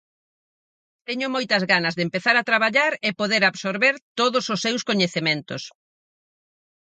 Teño moitas ganas de empezar a traballar e poder absorber todos os seus coñecementos.